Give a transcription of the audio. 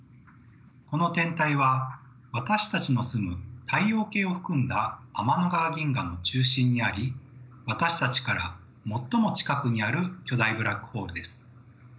この天体は私たちの住む太陽系を含んだ天の川銀河の中心にあり私たちから最も近くにある巨大ブラックホールです。